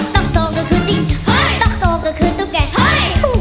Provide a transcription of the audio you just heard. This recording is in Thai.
ตกโตก็คือจิงจับเฮ้ยตกโตก็คือตุ๊กแกเฮ้ยถูกแล้ว